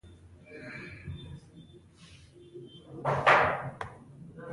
او پټ پټ مې کتل.